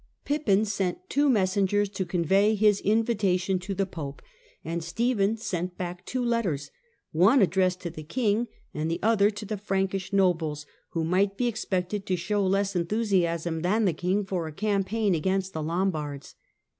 Pippin sent two messengers to convey his invitation the Pope, and Stephen sent back two letters — one Idressed to the king and the other to the Frankish )bles, who might be expected to show less enthusiasm lan the king for a campaign against the Lombards.